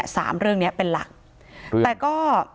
สามเรื่องเนี้ยเป็นหลักแต่ก็